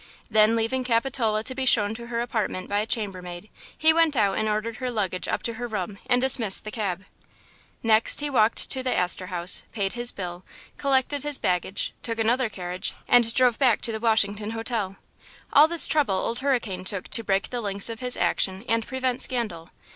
Then, leaving Capitola to be shown to her apartment by a chambermaid, he went out and ordered her luggage up to her room and dismissed the cab. Next he walked to the Astor House, paid his bill, collected his baggage, took another carriage and drove back to the Washington Hotel. All this trouble Old Hurricane took to break the links of his action and prevent scandal.